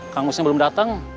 kang musnya belum datang